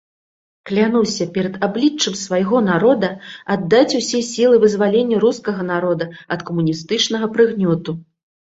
Клянуся перад абліччам свайго народа аддаць усе сілы вызваленню рускага народа ад камуністычнага прыгнёту.